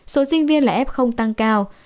số sinh viên là f tăng cao